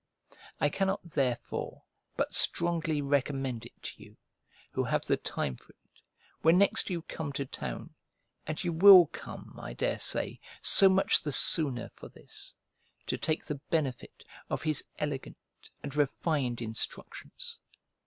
I cannot therefore but strongly recommend it to you, who have the time for it, when next you come to town (and you will come, I daresay, so much the sooner for this), to take the benefit of his elegant and refined instructions.